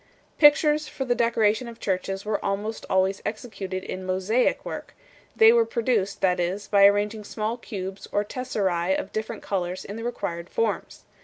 411 Pictures for the decoration of churches were almost always executed in mosaic work; they were pro duced, that is, by arranging small cubes or tesserae of different colours in the required forms.